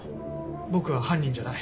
僕は犯人じゃない。